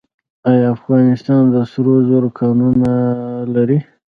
آیا افغانستان د سرو زرو کانونه لري؟